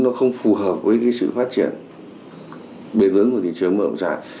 nó không phù hợp với cái sự phát triển bền vững của thị trường mở bộ sản